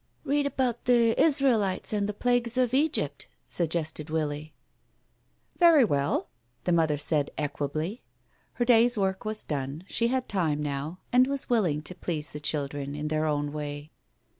... "Read about the Israelites and the Plagues of Egypt," suggested Willie. "Very well," the mother said equably. Her day's work was done, she had time now, and was willing to please the children in their own way.